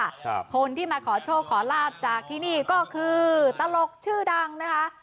มาที่นี่ค่ะคนที่มาขอโชคขอลาภจากที่นี่ก็คือตลกชื่อดังนะคะ